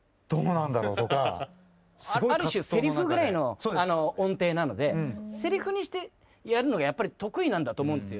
ある種セリフぐらいの音程なのでセリフにしてやるのが得意なんだと思うんですよ。